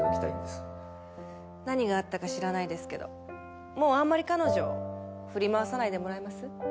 何があったか知らないですけどもうあんまり彼女振り回さないでもらえます？